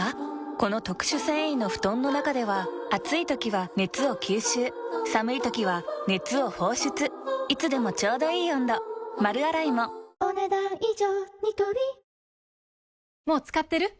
この特殊繊維の布団の中では暑い時は熱を吸収寒い時は熱を放出いつでもちょうどいい温度丸洗いもお、ねだん以上。